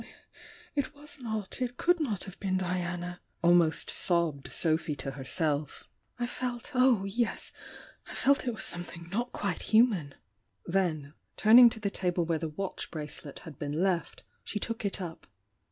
"It was not — it could not have been Diana!" al most sobbed Sophy to herself. "I felt— oh, yes!— I felt it was something not quite human!" "Then, turning to the table where the watch brace let had been left, she took it up.